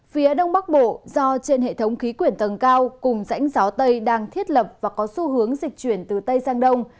phía đông bắc bộ do trên hệ thống khí quyển tầng cao cùng rãnh gió tây đang thiết lập và có xu hướng dịch chuyển từ tây sang đông